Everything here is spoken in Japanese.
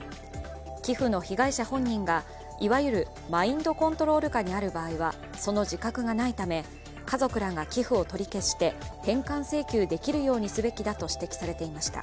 寄付の被害者本人が、いわゆるマインドコントロール下にある場合はその自覚がないため、家族らが寄付を取り消して返還請求できるようにすべきだと指摘していました。